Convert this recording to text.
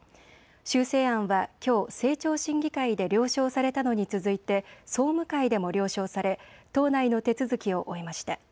修正案はきょう政調審議会で了承されたのに続いて総務会でも了承され党内の手続きを終えました。